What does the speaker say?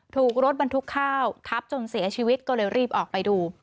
ถูกรถบรรทุกข้าวทับจนเสียชีวิตก็เลยรีบออกไปดู